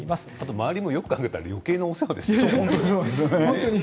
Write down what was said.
周りも、よく考えたらよけいなお世話ですよね。